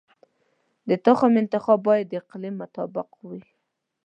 د تخم انتخاب باید د اقلیم مطابق وي.